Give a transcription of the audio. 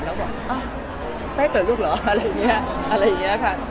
แล้วบอกอ้าวแป๊กเกิดลูกเหรออะไรอย่างนี้ค่ะ